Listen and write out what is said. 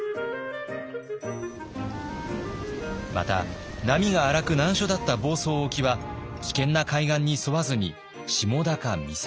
また波が荒く難所だった房総沖は危険な海岸に沿わずに下田か三崎へ。